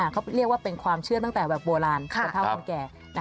เขาเรียกว่าเป็นความเชื่อตั้งแต่แบบโบราณคนเท่าคนแก่